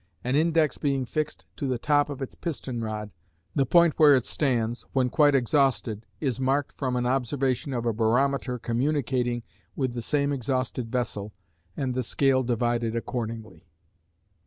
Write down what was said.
An index being fixed to the top of its piston rod, the point where it stands, when quite exhausted, is marked from an observation of a barometer communicating with the same exhausted vessel, and the scale divided accordingly.